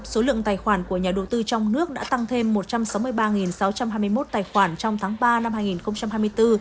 số lượng tài khoản của nhà đầu tư trong nước đã tăng thêm một trăm sáu mươi ba sáu trăm hai mươi một tài khoản trong tháng ba năm hai nghìn hai mươi bốn